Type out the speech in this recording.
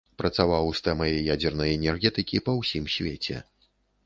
Працаваў з тэмай ядзернай энергетыкі па ўсім свеце.